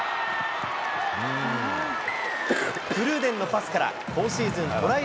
クルーデンのパスから、今シーズン、トライ